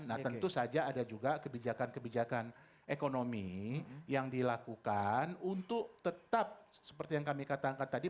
nah tentu saja ada juga kebijakan kebijakan ekonomi yang dilakukan untuk tetap seperti yang kami katakan tadi